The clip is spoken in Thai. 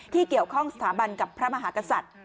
เกี่ยวข้องสถาบันกับพระมหากษัตริย์